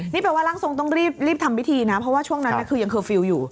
นี่แปลว่าร่างทรงต้องรีบทำพิธีนะเพราะว่าช่วงนั้นคือยังเคอร์ฟิลล์อยู่